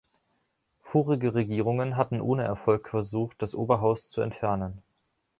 Vorige Regierungen hatten ohne Erfolg versucht, das Oberhaus zu entfernen.